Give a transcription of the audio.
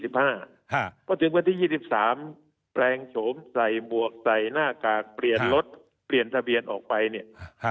พอถึงวันที่๒๓แปลงโฉมใส่หมวกใส่หน้ากากเปลี่ยนรถเปลี่ยนทะเบียนออกไปเนี่ย